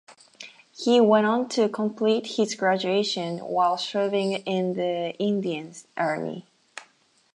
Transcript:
He went on to complete his graduation while serving in the Indian Army.